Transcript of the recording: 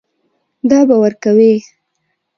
دا به ورکوې.